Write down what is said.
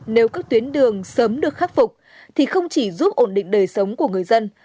nếu các tuyến đường sớm được khắc phục thì không chỉ giúp ổn định đời sống của người dân